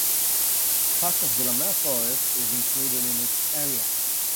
Part of Delamere Forest is included in its area.